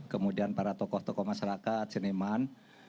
kemudian para tokoh tokoh masyarakat seniman